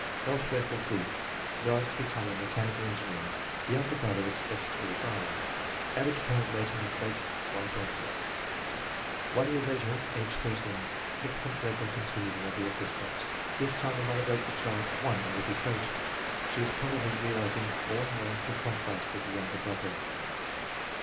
Health record good. Desires to be come a mechanical engineer. The younger brother expects to be a fanner. Average parent rating on traits, 1.60. 208 INTELLIGENCE OP SCHOOL CHILDBEN One year later, age 18. Excellent record continued in every respect. This time the mother rates the child 1 on every trait. She is probably realizing more and more the contrast with the younger brother.